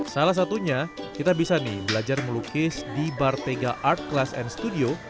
salah satunya kita bisa nih belajar melukis di bar tega art class n studio